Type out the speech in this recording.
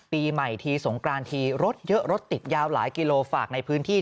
ปีใหม่ทีสงกรานทีรถเยอะรถติดยาวหลายกิโลฝากในพื้นที่